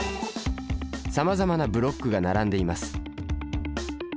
さまざまなブロックが並んでいます。